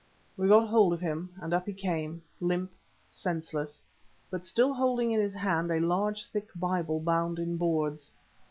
We got hold of him, and up he came, limp, senseless, but still holding in his hand a large, thick Bible, bound in boards.